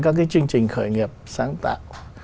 các cái chương trình khởi nghiệp sáng tạo